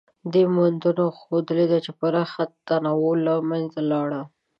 دې موندنو ښودلې، چې پراخه تنوع له منځه لاړه.